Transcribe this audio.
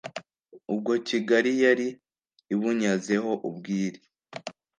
ubwo kigari yari ibunyazeho ubwiri,